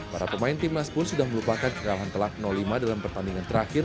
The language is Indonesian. pertandingan terakhir di uab membuat kita merasa sedikit penat dan tidak bisa berjalan dengan baik